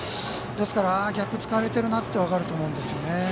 ですから逆をつかれてるなと分かると思うんですよね。